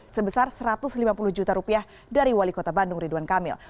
sebesar satu ratus lima puluh juta rupiah dari wali kota bandung ridwan kamil